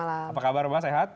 apa kabar mbak sehat